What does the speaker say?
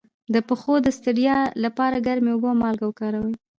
د پښو د ستړیا لپاره ګرمې اوبه او مالګه وکاروئ